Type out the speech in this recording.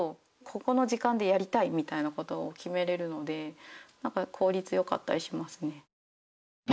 「ここの時間でやりたい」みたいなことを決めれるので何か効率良かったりしますね。